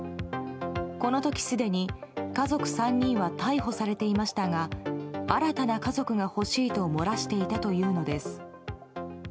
この時すでに家族３人は逮捕されていましたが新たな家族が欲しいと漏らしていたというのです。